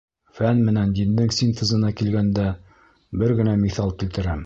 Фән менән диндең синтезына килгәндә, бер генә миҫал килтерәм.